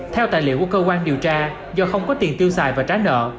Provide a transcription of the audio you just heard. theo tài liệu của cơ quan điều tra do không có tiền tiêu xài và trả nợ